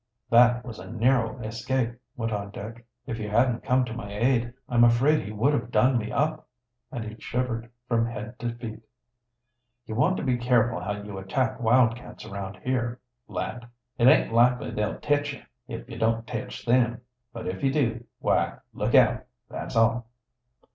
"That was a narrow escape," went on Dick. "If you hadn't come to my aid, I'm afraid he would have done me up." And he shivered from head to foot. "You want to be careful how you attack wildcats around here, lad. It aint likely they'll tech you, if you don't tech them. But if you do, why, look out, that's all."